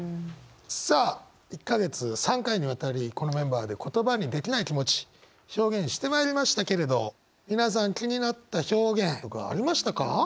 さあ１か月３回にわたりこのメンバーで言葉にできない気持ち表現してまいりましたけれど皆さん気になった表現とかありましたか？